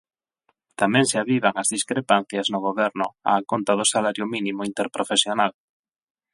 Tamén se avivan as discrepancias no Goberno a conta do salario mínimo interprofesional.